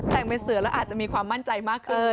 แต่งเป็นเสือแล้วอาจจะมีความมั่นใจมากขึ้น